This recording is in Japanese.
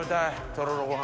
とろろご飯。